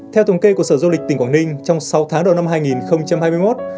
theo thống kê của sở du lịch tỉnh quảng ninh trong sáu tháng đầu năm hai nghìn hai mươi một